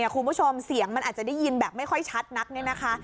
คุณผู้ชมเสียงมันอาจจะได้ยินแบบไม่ค่อยชัดนักเนี่ยนะคะ